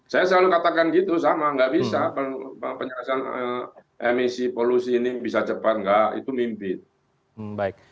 saya selalu katakan gitu sama nggak bisa penyelesaian emisi polusi ini bisa cepat nggak itu mimpi